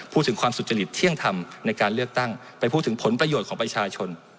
พูดถึงความสุจริตเที่ยงธรรมในการเลือกตั้งไปพูดถึงผลประโยชน์ของประชาชน